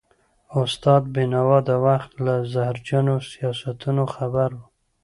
استاد بينوا د وخت له زهرجنو سیاستونو خبر و.